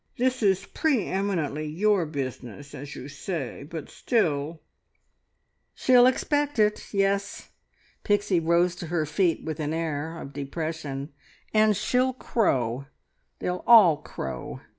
This is pre eminently your business, as you say, but still " "She'll expect it! Yes " Pixie rose to her feet with an air of depression "and she'll crow! They'll all crow!